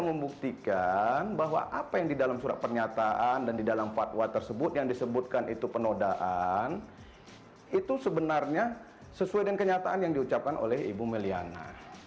membuktikan bahwa apa yang di dalam surat pernyataan dan di dalam fatwa tersebut yang disebutkan itu penodaan itu sebenarnya sesuai dengan kenyataan yang diucapkan oleh ibu meliana